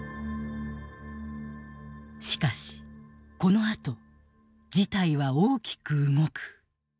しかしこのあと事態は大きく動く。